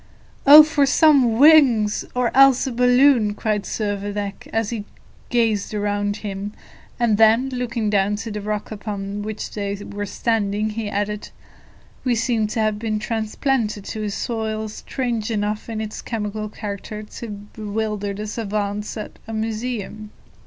"Oh for some wings, or else a balloon!" cried Servadac, as he gazed around him; and then, looking down to the rock upon which they were standing, he added, "We seem to have been transplanted to a soil strange enough in its chemical character to bewilder the savants at a museum."